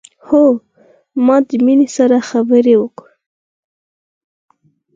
هو ما د مينې سره خبرې وکړې